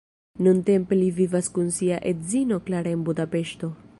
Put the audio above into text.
Nuntempe li vivas kun sia edzino Klara en Budapeŝto.